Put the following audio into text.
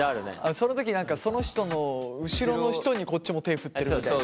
その時その人の後ろの人にこっちも手振ってるみたいな。